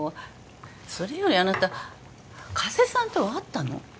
それよりあなた加瀬さんとは会ったの？